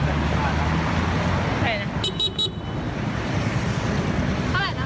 เท่าไหร่หน่ะค่ะ